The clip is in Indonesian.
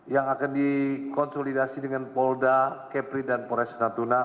yang akan dikonsolidasi dengan polda kepri dan polres natuna